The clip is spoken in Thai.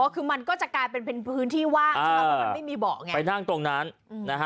คือมันก็จะกลายเป็นเป็นพื้นที่ว่างใช่ไหมแล้วมันไม่มีเบาะไงไปนั่งตรงนั้นนะฮะ